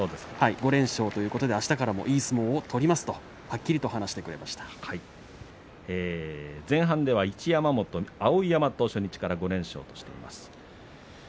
５連勝ということで、あすからもいい相撲を取りますと前半では一山本、碧山と初日から５連勝としています。